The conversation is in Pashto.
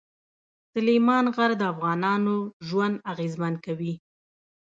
سلیمان غر د افغانانو ژوند اغېزمن کوي.